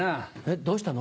どうしたの？